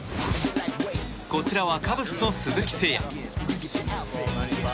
こちらは、カブスの鈴木誠也。